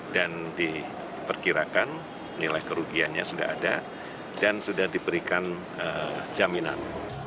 dan diperkirakan nilai kerugiannya sudah ada dan sudah diberikan jaminan